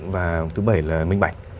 và thứ bảy là minh bạch